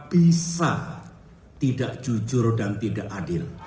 dua ribu dua puluh empat bisa tidak jujur dan tidak adil